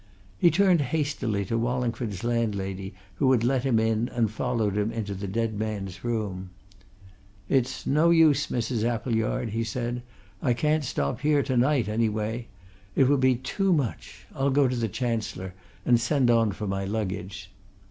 He turned hastily to Wallingford's landlady, who had let him in and followed him into the dead man's room. "It's no use, Mrs. Appleyard," he said. "I can't stop here to night, anyway. It would be too much! I'll go to the Chancellor, and send on for my luggage."